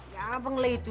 ya apa ngeliat itu